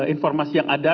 informasi yang ada